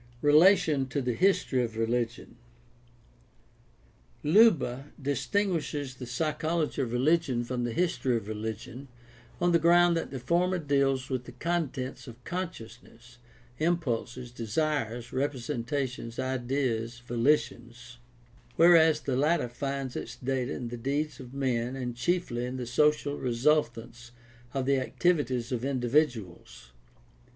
Relation to the history of religion. — Leuba distinguishes the psychology of religion from the history of religion on the ground that the former deals with the contents of conscious ness, impulses, desires, representations, ideas, volitions; whereas the latter finds its data in the deeds of men and chiefly in the social resultants of the activities of individuals.